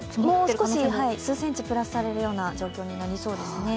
もう少し数センチ、プラスされるような状況になりそうです。